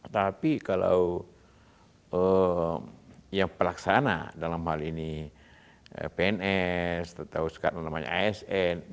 tapi kalau yang pelaksana dalam hal ini pns atau sekarang namanya asn